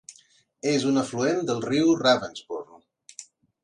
És un afluent del riu Ravensbourne.